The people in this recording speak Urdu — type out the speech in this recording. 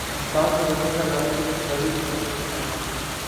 انسان نے جبر سے آزادی کے لیے ایک طویل سفر کیا ہے۔